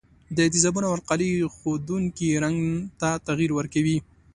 د تیزابونو او القلیو ښودونکي رنګ ته تغیر ورکوي.